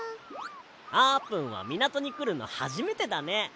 あーぷんはみなとにくるのはじめてだね。